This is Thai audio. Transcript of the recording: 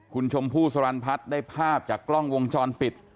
คุณชมพู่สรรพัฒน์ได้ภาพจากกล้องวงจรปิด